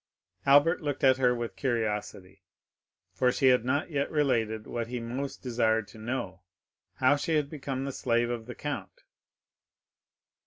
Albert looked at her with curiosity, for she had not yet related what he most desired to know,—how she had become the slave of the count.